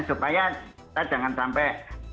supaya kita jangan sampai